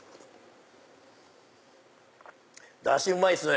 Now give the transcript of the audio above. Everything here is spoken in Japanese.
ダシうまいっすね！